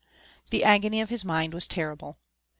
The agony of his mind was terrible.